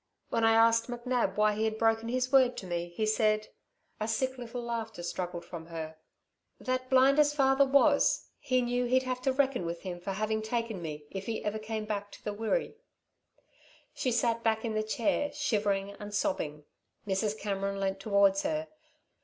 When I asked McNab why he had broken his word to me, he said" a little sick laughter struggled from her "that, blind as father was, he knew he'd have to reckon with him for having taken me, if he ever came back to the Wirree." She sank back in the chair, shivering and sobbing. Mrs. Cameron leant towards her.